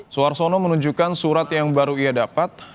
suarsono menunjukkan surat yang baru ia dapat